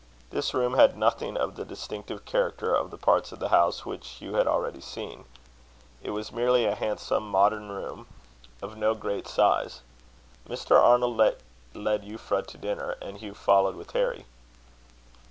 This room had nothing of the distinctive character of the parts of the house which Hugh had already seen. It was merely a handsome modern room, of no great size. Mr. Arnold led Euphra to dinner, and Hugh followed with Harry.